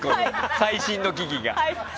最新の機器が。